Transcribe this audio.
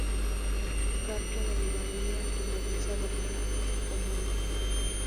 Carpo derivaría en la diosa romana Pomona.